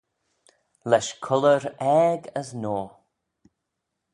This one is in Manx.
Lesh cullyr aeg as noa.